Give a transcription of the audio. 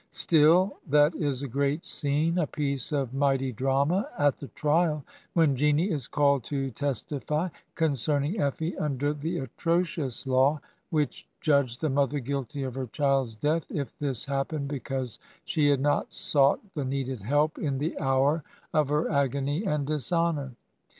Still, that is a great scene, a piece of mighty drama, at the trial, when Jeanie is called to testify concerning Effie under the atrocious law which judged the mother guilty of her child's death if this happened because she had not sought the needed help in the hour of her agony and dishonor.